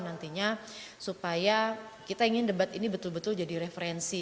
nantinya supaya kita ingin debat ini betul betul jadi referensi